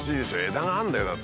枝があるんだよだって。